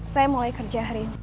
saya mulai kerja hari ini